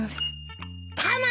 タマ！